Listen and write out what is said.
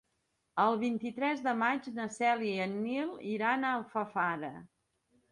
El vint-i-tres de maig na Cèlia i en Nil iran a Alfafara.